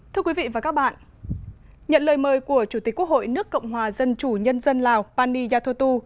thưa quý vị và các bạn nhận lời mời của chủ tịch quốc hội nước cộng hòa dân chủ nhân dân lào pani yathotu